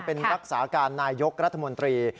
เป็นรักษาการนายยกรัฐมนตรี